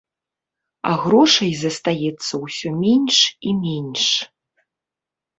А грошай застаецца ўсё менш і менш.